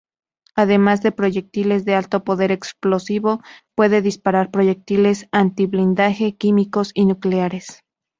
Además de proyectiles de alto poder explosivo, puede disparar proyectiles antiblindaje, químicos y nucleares.